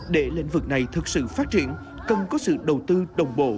để lĩnh vực này thực sự phát triển cần có sự đầu tư đồng bộ